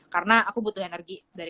karena aku butuh energi dari